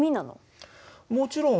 もちろん。